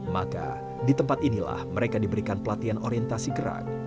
maka di tempat inilah mereka diberikan pelatihan orientasi gerak